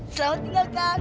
selamat tinggal kang